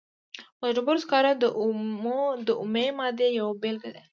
خو د ډبرو سکاره د اومې مادې یوه بیلګه ده.